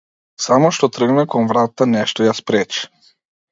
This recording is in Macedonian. Само што тргна кон вратата нешто ја спречи.